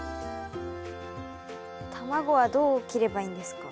卵はどう切ればいいんですか？